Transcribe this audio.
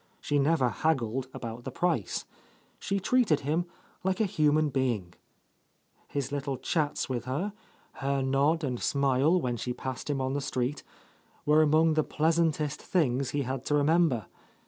She never haggled about the price. She treated him like a human being. His little chats with her, her nod and smile when she passed him on the street, were among the pleasantest things he had to remember.